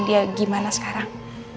dia gimana sekarang